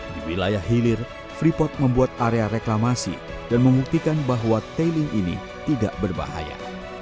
di wilayah hilir freeport membuat area reklamasi dan membuktikan bahwa tailing ini tidak berbahaya